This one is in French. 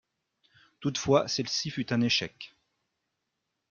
Toutefois celle-ci fut un échec.